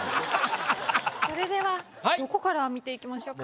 それではどこから見ていきましょうか？